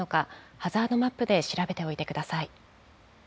ハザードマップで調べておいてください。